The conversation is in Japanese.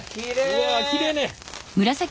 うわきれいね。